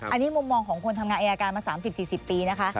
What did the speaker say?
อันนี้มุมมองของคนทำงานอายการมา๓๐๔๐ปีนะคะ